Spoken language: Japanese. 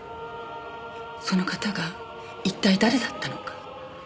その方が一体誰だったのか。